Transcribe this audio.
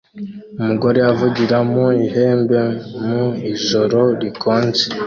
Umugore avugira mu ihembe mu ijoro rikonje